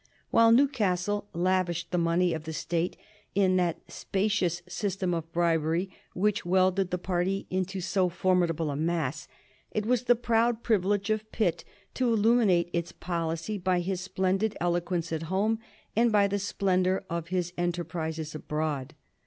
While Newcastle lavished the money of the state in that spacious system of bribery which welded the party into so formidable a mass, it was the proud privilege of Pitt to illuminate its policy by his splendid eloquence at home and by the splendor of his enterprises abroad.